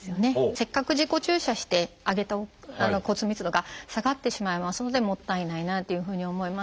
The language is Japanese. せっかく自己注射して上げた骨密度が下がってしまいますのでもったいないなというふうに思いますし。